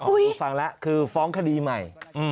โอ้โหฟังแล้วคือฟ้องคดีใหม่